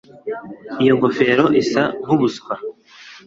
iyo ngofero isa nkubuswa